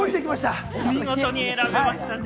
見事に選びましたね。